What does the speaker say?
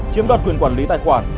chiếm đoạt quyền quản lý tài khoản